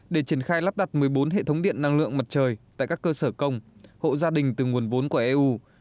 để triển khai lắp đặt một mươi bốn hệ thống điện năng lượng mặt trời tại các cơ sở công hộ gia đình từ nguồn vốn của eu